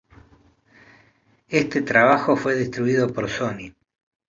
Este trabajo fue distribuido por Sony.